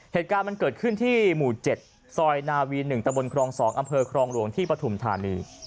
เหตุการณ์มันเกิดขึ้นที่หมู่๗ซอยนาวี๑ตะบนครอง๒อำเภอครองหลวงที่ปฐุมธานี